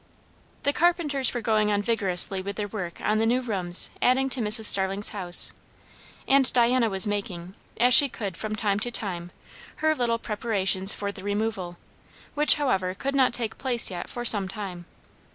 The carpenters were going on vigorously with their work on the new rooms adding to Mrs. Starling's house; and Diana was making, as she could from time to time, her little preparations for the removal, which, however, could not take place yet for some time.